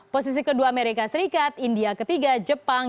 posisi kedua amerika serikat india ketiga jepang